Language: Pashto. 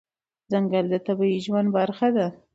ځنګل د طبیعي ژوند برخه ده.